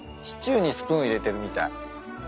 シチューにスプーン入れてるみたい。